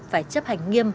phải chấp hành nghiêm